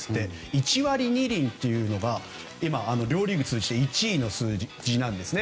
１割２厘というのが両リーグ通じて１位の数字なんですね。